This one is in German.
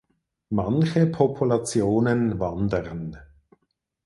Manche Populationen wandern.